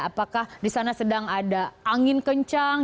apakah di sana sedang ada angin kencang